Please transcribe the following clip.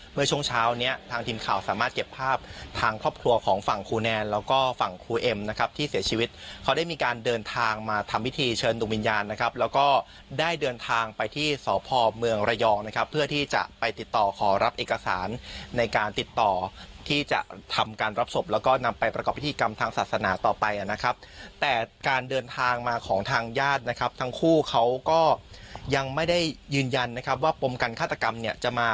เมื่อช่วงเช้าเนี้ยทางทีมข่าวสามารถเก็บภาพทางครอบครัวของฝั่งครูแนนแล้วก็ฝั่งครูเอ็มนะครับที่เสียชีวิตเขาได้มีการเดินทางมาทำวิธีเชิญตุกมิญญาณนะครับแล้วก็ได้เดินทางไปที่สอบพ่อเมืองระยองนะครับเพื่อที่จะไปติดต่อขอรับเอกสารในการติดต่อที่จะทำการรับศพแล้วก็นำไปประกอบพิธีกรรม